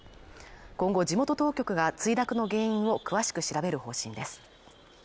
今後地元当局が墜落の原因を詳しく調べる方針です